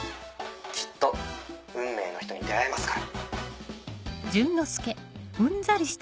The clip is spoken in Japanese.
きっと運命の人に出会えますから。